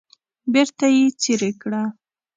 بیرته یې څیرې کړه.